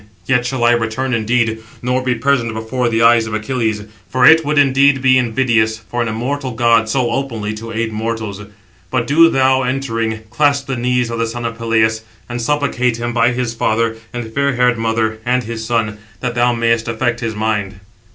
Yet shall I return indeed, nor be present before the eyes of Achilles; for it would indeed be invidious for an immortal god so openly to aid mortals. But do thou, entering, clasp the knees of the son of Peleus, and supplicate him by his father, and fair haired mother, and his son; that thou mayest effect his mind."